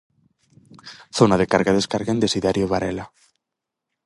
Zona de carga e descarga en Desiderio Varela.